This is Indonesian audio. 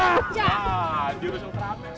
aduh berasa keras